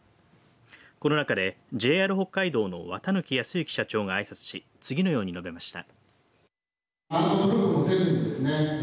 この中でＪＲ北海道の綿貫泰之社長があいさつし次のように述べました。